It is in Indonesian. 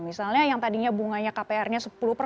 misalnya yang tadinya bunganya kpr nya